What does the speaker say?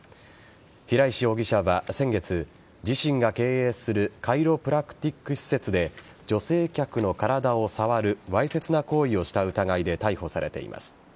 平石容疑者は先月自身が経営するカイロプラクティック施設で女性客の体を触るわいせつな行為をした疑いで逮捕されています。